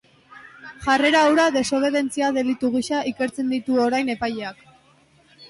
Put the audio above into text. Jarrera hura desobedentzia delitu gisa ikertzen ditu orain epaileak.